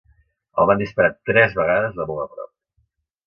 El van disparar tres vegades de molt a prop.